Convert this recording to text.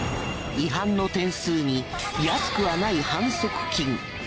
違反の点数に安くはない反則金。